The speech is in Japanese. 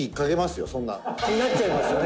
横尾：「なっちゃいますよね」